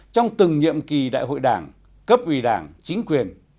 trong từng nhiệm kỳ đại hội đảng cấp ủy đảng chính quyền